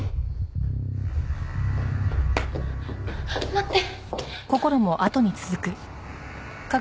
待って！